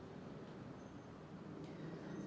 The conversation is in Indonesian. kami tidak pernah memposting akan menghubung bandara